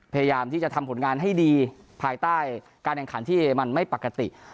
พยายามที่จะทำผลงานให้ดีภายใต้การแข่งขันที่มันไม่ปกติ